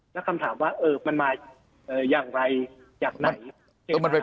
แล้วคำถามว่ามันมาอย่างไรจากไหน